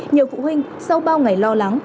nhiều phụ huynh sau bao ngày lo lắng